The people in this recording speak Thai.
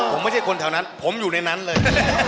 ผมไม่ใช่คนแถวนั้นผมอยู่ในนั้นเลย